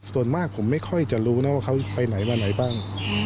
ส่วนมากผมไม่ค่อยจะรู้นะว่าเขาไปไหนมาไหนบ้าง